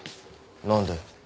何で。